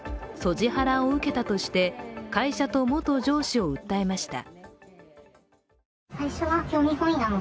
ハラを受けたとして会社と元上司を訴えました。